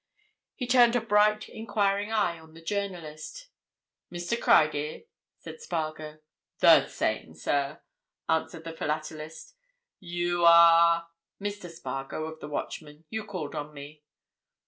He turned a bright, enquiring eye on the journalist. "Mr. Criedir?" said Spargo. "The same, sir," answered the philatelist. "You are—?" "Mr. Spargo, of the Watchman. You called on me."